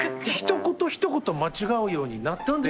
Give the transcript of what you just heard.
ひと言ひと言間違うようになって。